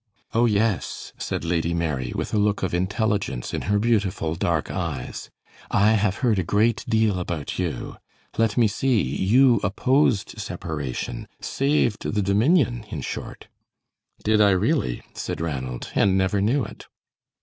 "Oh, yes," said Lady Mary, with a look of intelligence in her beautiful dark eyes, "I have heard a great deal about you. Let me see, you opposed separation; saved the Dominion, in short." "Did I, really?" said Ranald, "and never knew it."